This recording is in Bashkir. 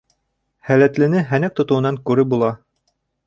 Һәләтлене һәнәк тотоуынан күреп була.